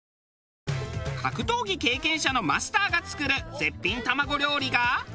格闘技経験者のマスターが作る絶品卵料理が。